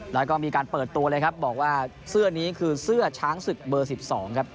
แล้วก็มีการเปิดตัวเลยครับบอกว่าเสื้อนี้คือเสื้อช้างศึกเบอร์๑๒ครับ